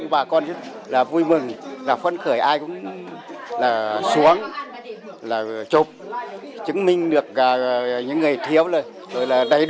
bà con rất là vui mừng là phân khởi ai cũng là xuống là chụp chứng minh được cả những người thiếu rồi rồi là đầy đủ